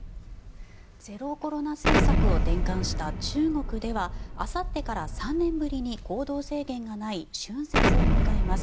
ゼロコロナ政策を転換した中国ではあさってから３年ぶりに行動制限がない春節を迎えます。